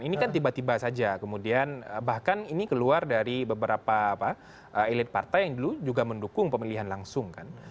ini kan tiba tiba saja kemudian bahkan ini keluar dari beberapa elit partai yang dulu juga mendukung pemilihan langsung kan